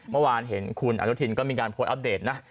เมื่อวานเห็นคุณอนุทินก็มีการโพสต์อัปเดตนะ